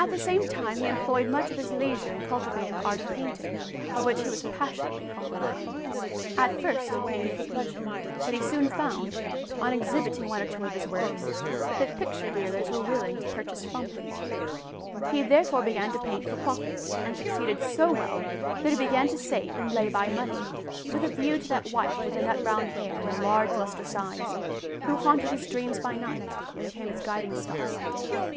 At the same time he employed much of his leisure in cultivating the art of painting, of which he was passionately fond. At first he painted for pleasure, but he soon found, on exhibiting one or two of his works, that picture dealers were willing to purchase from him. He therefore began to paint for profit, and succeeded so well that he began to save and lay by money, with a view to that wife with the nut brown hair and the large lustrous eyes, who haunted his dreams by night and became his guiding star by day.